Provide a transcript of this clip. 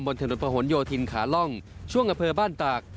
บนถนนประหลโยธินขาล่องช่วงอำเภอบ้านตาก